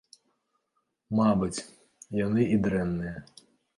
Мабыць, яны і дрэнныя!